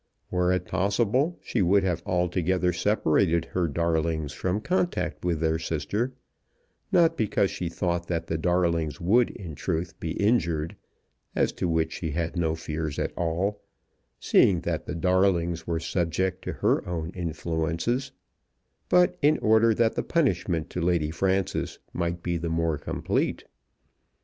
Were it possible she would have altogether separated her darlings from contact with their sister, not because she thought that the darlings would in truth be injured, as to which she had no fears at all, seeing that the darlings were subject to her own influences, but in order that the punishment to Lady Frances might be the more complete.